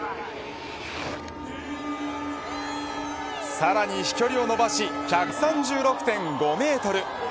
さらに飛距離を伸ばし１３６．５メートル。